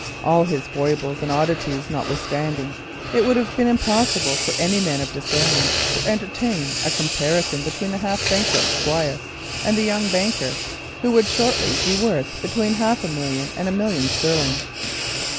All his foibles and oddities notwithstanding, it would have been impossible for any person of discernment to entertain a comparison between the half ruined Squire and the young banker, who would shortly be worth between half a million and a million sterling.